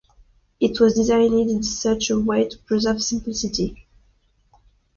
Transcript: It was designed in such a way to preserve simplicity.